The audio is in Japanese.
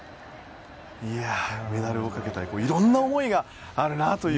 メダルをかけたいろんな思いがあるなという。